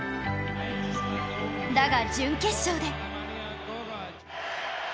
だが準決勝で